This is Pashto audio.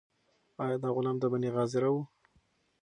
آیا دا غلام د بني غاضرة و؟